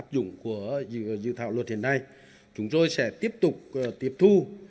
dự thảo luật hiện nay chúng tôi sẽ tiếp tục tiếp thu